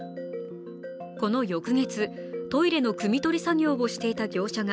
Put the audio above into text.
この翌月、トイレのくみ取り作業をしていた業者が